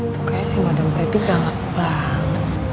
tuh kayaknya si madam pretty galak banget